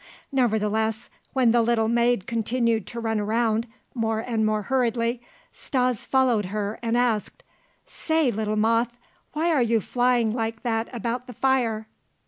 Nevertheless, when the little maid continued to run around, more and more hurriedly, Stas followed her and asked: "Say, little moth! Why are you flying like that about the fire?"